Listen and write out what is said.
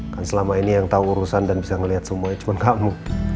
kan selama ini yang tau urusan dan bisa ngeliat semuanya cuman kamu